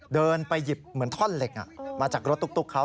เดินไปหยิบเหมือนท่อนเหล็กมาจากรถตุ๊กเขา